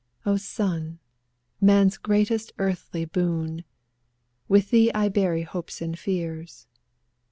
"O son, man's greatest earthly boon. With thee I bury hopes and fears."